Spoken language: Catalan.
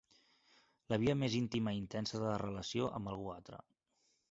La via més íntima i intensa de relació amb algú altre.